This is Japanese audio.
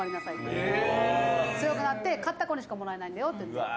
「強くなって勝った子にしかもらえないんだよっていうので」